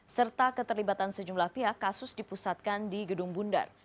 serta keterlibatan sejumlah pihak kasus dipusatkan di gedung bundar